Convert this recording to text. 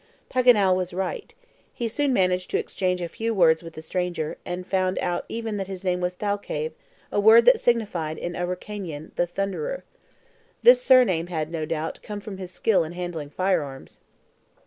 Paganel was right. He soon managed to exchange a few words with the stranger, and found out even that his name was Thalcave, a word that signified in Araucanian, "The Thunderer." This surname had, no doubt, come from his skill in handling fire arms.